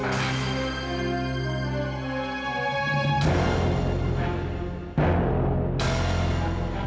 sekarang lo bersih